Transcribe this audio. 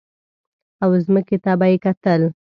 او ځمکې ته به یې کتل.